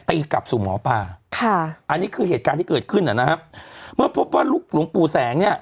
กลับสู่หมอปลาค่ะอันนี้คือเหตุการณ์ที่เกิดขึ้นนะครับเมื่อพบว่าลูกหลวงปู่แสงเนี่ย